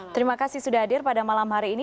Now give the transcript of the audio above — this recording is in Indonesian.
terima kasih sudah hadir pada malam hari ini